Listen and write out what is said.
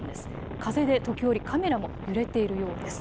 風で時折カメラも揺れているようです。